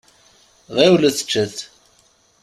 Ɣiwlet ččet.